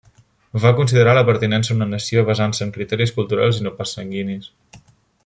Va considerar la pertinença a una nació basant-se en criteris culturals i no pas sanguinis.